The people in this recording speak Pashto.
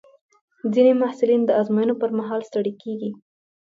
ځینې محصلین د ازموینو پر مهال ستړي کېږي.